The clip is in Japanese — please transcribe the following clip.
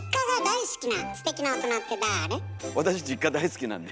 私実家大好きなんで。